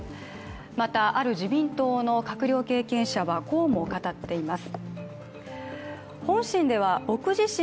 また、ある自民党の閣僚経験者はこうも語っています。